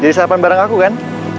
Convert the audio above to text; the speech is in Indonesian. jadi sarapan bareng aku kan